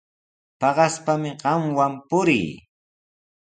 Paqaspami qamwan purii.